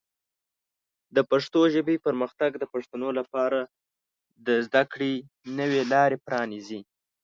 د پښتو ژبې پرمختګ د پښتنو لپاره د زده کړې نوې لارې پرانیزي.